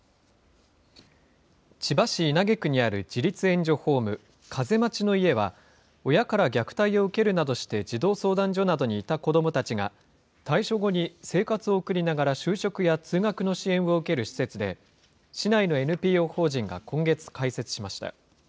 千葉市稲毛区にある自立援助ホーム、かぜまちの家は、親から虐待を受けるなどして児童相談所などにいた子どもたちが、退所後に、生活を送りながら、就職や通学の支援を受ける施設で、市内のＮＰＯ法人が今月開設しました。